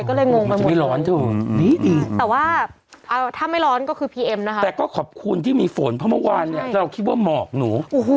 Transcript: ก็เลยงงว่าไม่ร้อนเถอะแต่ว่าถ้าไม่ร้อนก็คือพีเอ็มนะคะแต่ก็ขอบคุณที่มีฝนเพราะเมื่อวานเนี่ยเราคิดว่าหมอกหนู